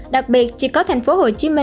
đặc biệt chỉ có tp hcm